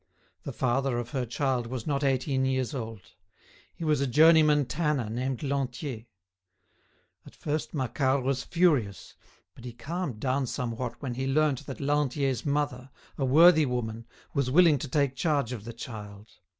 The father of her child was not eighteen years old. He was a journeyman tanner named Lantier. At first Macquart was furious, but he calmed down somewhat when he learnt that Lantier's mother, a worthy woman, was willing to take charge of the child.